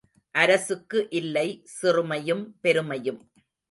அரசுக்கு இல்லை சிறுமையும் பெருமையும்.